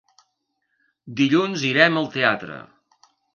Dilluns irem al teatre.